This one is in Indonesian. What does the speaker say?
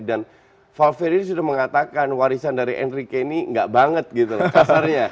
dan valverde sudah mengatakan warisan dari henry kenny tidak banget gitu kasarnya